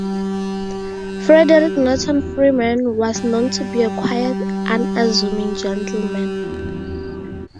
Frederick Norton Freeman was known to be a quiet, unassuming gentleman.